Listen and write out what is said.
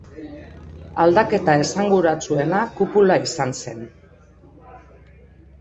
Aldaketa esanguratsuena kupula izan zen.